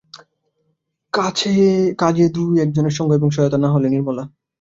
কাজে দুই-একজনের সঙ্গ এবং সহায়তা না হলে– নির্মলা।